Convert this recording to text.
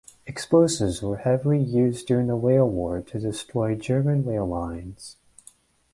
Explosives were heavily used during the rail war to destroy German rail lines.